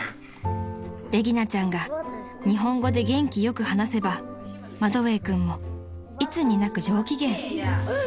［レギナちゃんが日本語で元気よく話せばマトヴェイ君もいつになく上機嫌］